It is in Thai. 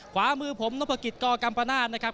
ขวามือผมน้องภกิตกกัมปะนาท